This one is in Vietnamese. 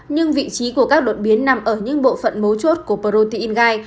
nhưng vị trí của các đột biến nằm ở những bộ phận mấu chốt của protein gai